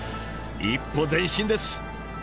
一歩前進です！